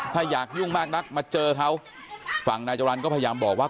ถ้าอยากยุ่งมากนักมาเจอเขาฝั่งนายจรรย์ก็พยายามบอกว่า